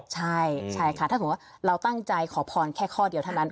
ใช่ค่ะถ้าสมมุติว่าเราตั้งใจขอพรแค่ข้อเดียวเท่านั้น